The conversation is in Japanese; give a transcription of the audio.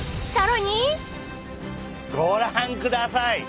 ご覧ください。